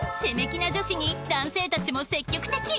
攻め気な女子に男性たちも積極的